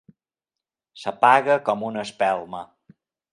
S'apaga com una espelma.